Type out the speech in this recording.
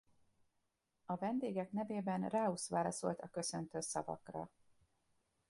A vendégek nevében Rous válaszolt a köszöntő szavakra.